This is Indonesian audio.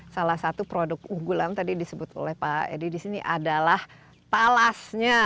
salah satu produk unggulan tadi disebut oleh pak edi di sini adalah talasnya